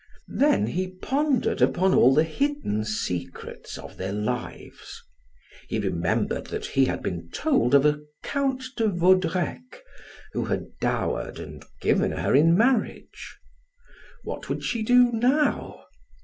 Then he pondered upon all the hidden secrets of their lives. He remembered that he had been told of a Count de Vaudrec who had dowered and given her in marriage. What would she do now?